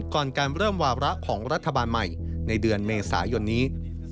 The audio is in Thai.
ก่อนการเริ่มวาระของรัฐบาลใหม่ในเดือนเมษายนนี้